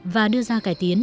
và đưa ra cải tiến